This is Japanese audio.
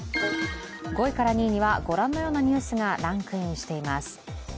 ５位から２位にはご覧のようなニュースがランキングしています。